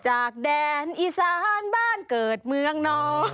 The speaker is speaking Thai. จากแดนอีสานบ้านเกิดเมืองนอน